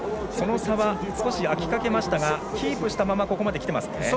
その差が開きかけましたがキープしたままここまできてますね。